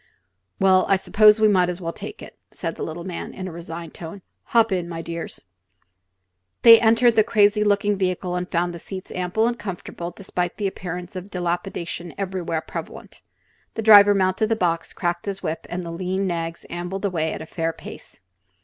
"Well, I suppose we may as well take it," said the little man, in a resigned tone. "Hop in, my dears." They entered the crazy looking vehicle and found the seats ample and comfortable despite the appearance of dilapidation everywhere prevalent. The driver mounted the box, cracked his whip, and the lean nags ambled away at a fair pace.